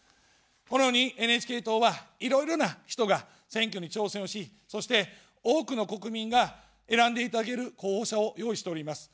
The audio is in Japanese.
このようにＮＨＫ党は、いろいろな人が選挙に挑戦をし、そして多くの国民が選んでいただける候補者を用意しております。